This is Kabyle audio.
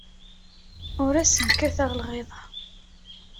Ur asen-kkateɣ lɣiḍa.